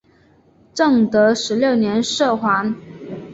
正德十六年赦还。